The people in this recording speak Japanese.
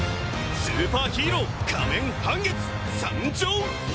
スーパーヒーロー仮面半月参上！